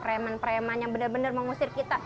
preman preman yang benar benar mengusir kita